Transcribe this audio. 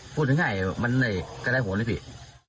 พูดง่ายมันก็ได้หว่อน้ำผิด